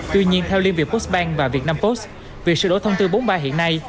tuy nhiên theo liên viện postbank và việt nam post việc sửa đổi thông tư bốn mươi ba hiện nay